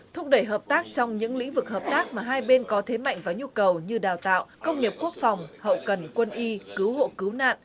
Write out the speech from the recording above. thúc đẩy hợp tác trong những lĩnh vực hợp tác mà hai bên có thế mạnh và nhu cầu như đào tạo công nghiệp quốc phòng hậu cần quân y cứu hộ cứu nạn